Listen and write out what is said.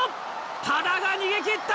多田が逃げ切った！